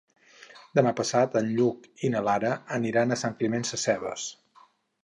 Demà passat en Lluc i na Lara aniran a Sant Climent Sescebes.